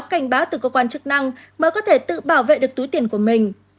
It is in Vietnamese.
cảnh báo từ cơ quan chức năng mới có thể tự bảo vệ được túi tiền của mình